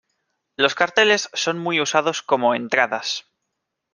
Los carteles son muy usados como entradas.